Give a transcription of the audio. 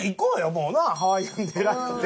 もうなハワイアンデライトで。